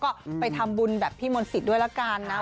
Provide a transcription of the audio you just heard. ก็ไปทำบุญแบบพี่มณศิษย์ด้วยละกันนะ